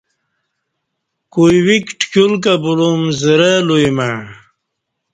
کوئی ویک ٹکیول کہ بولوم زرہ لوئی مع